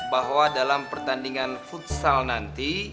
bahwa dalam pertandingan futsal nanti